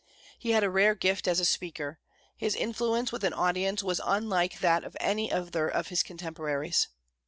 He had a rare gift as a speaker. His influence with an audience was unlike that of any other of his contemporaries.